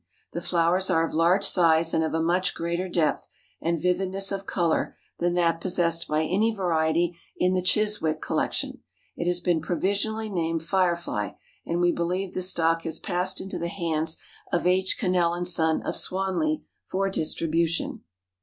The flowers are of large size and of a much greater depth and vividness of color than that possessed by any variety in the Chiswick collection. It has been provisionally named Firefly, and we believe the stock has passed into the hands of H. Cannell & Son, of Swanley, for distribution.